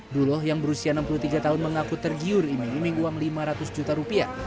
duloh yang berusia enam puluh tiga tahun mengaku tergiur iming iming uang lima ratus juta rupiah